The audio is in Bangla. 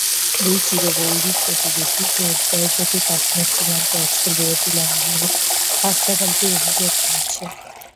দুই চিরবৈরী প্রতিবেশী পরস্পরের প্রতি কাশ্মীর সীমান্তে অস্ত্রবিরতি লঙ্ঘনের পাল্টাপাল্টি অভিযোগ করছে।